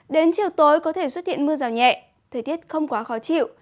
đến chiều tối có thể xuất hiện mưa rào nhẹ thời tiết không quá khó chịu